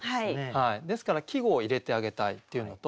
ですから季語を入れてあげたいっていうのと